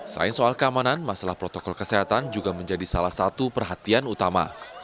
selain soal keamanan masalah protokol kesehatan juga menjadi salah satu perhatian utama